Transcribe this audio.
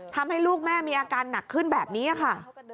ทำให้ลูกแม่มีอาการหนักขึ้นแบบนี้ค่ะ